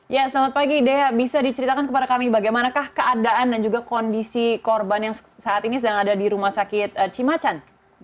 ya selamat pagi dea bisa diceritakan kepada kami bagaimanakah keadaan dan juga kondisi korban yang saat ini sedang ada di rumah sakit cimacan